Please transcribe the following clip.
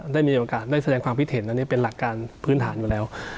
ได้มีโอกาสได้แสดงความพิเทศและนี่เป็นหลักการพื้นฐานมาแล้ว